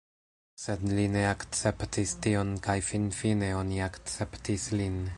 Sed li ne akceptis tion kaj finfine oni akceptis lin.